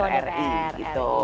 ketua dpr ri